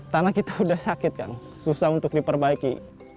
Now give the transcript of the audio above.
tanah kita sudah sakit kan susah untuk diperbaiki